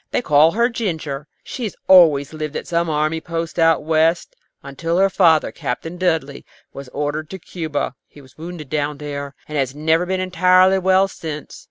They call her Ginger. She had always lived at some army post out West, until her father, Captain Dudley, was ordered to Cuba. He was wounded down there, and has never been entirely well since.